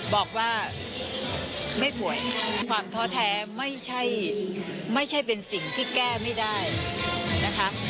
บอกว่าไม่ป่วยความท้อแท้ไม่ใช่เป็นสิ่งที่แก้ไม่ได้นะคะ